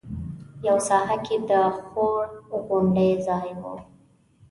یوه ساحه کې د خوړ غوندې ځای و.